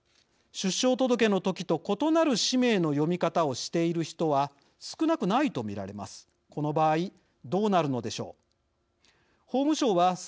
出生届の時と異なる氏名の読み方をしている人は少なくないと見られます。